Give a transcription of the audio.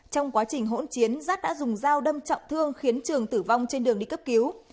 trong quá trình hỗn chiến giát đã dùng dao đâm trọng thương khiến trường tử vong trên đường đi cấp cứu